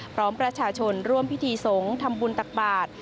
พร้อมประชาชนร่วมพิธีสงฆ์ทำบุญตักบาท